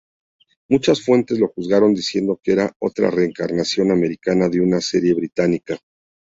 Muchas fuentes lo juzgaron diciendo que era otra reencarnación americana de una serie británica.